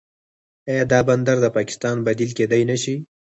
آیا دا بندر د پاکستان بدیل کیدی نشي؟